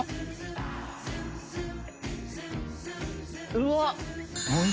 うわっ！